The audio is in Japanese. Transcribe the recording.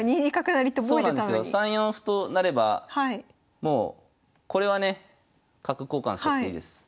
３四歩となればもうこれはね角交換しちゃっていいです。